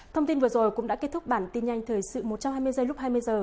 thông tin vừa rồi cũng đã kết thúc bản tin nhanh thời sự một trăm hai mươi giây lúc hai mươi h